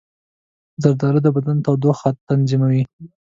زردالو د بدن تودوخه تنظیموي.